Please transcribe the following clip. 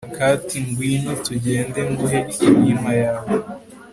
a kati 'ngwino tugende nguhe inkima yawe